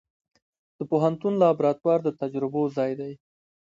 د پوهنتون لابراتوار د تجربو ځای دی.